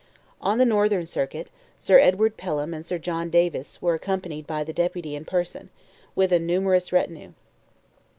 On the Northern Circuit Sir Edward Pelham and Sir John Davis were accompanied by the Deputy in person, with a numerous retinue.